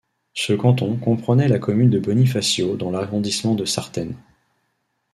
Ce canton comprenait la commune de Bonifacio dans l'arrondissement de Sartène.